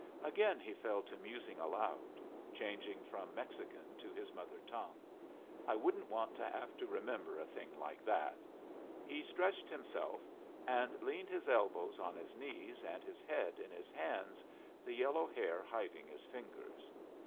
Again he fell to musing aloud, changing from Mexican to his mother tongue. "I wouldn't want to have to remember a thing like that." He stretched himself, and leaned his elbows on his knees and his head in his hands, the yellow hair hiding his fingers.